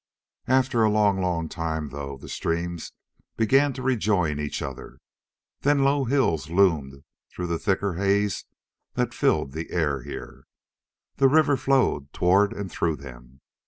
After a long, long time though, the streams began to rejoin each other. Then low hills loomed through the thicker haze that filled the air here. The river flowed toward and through them.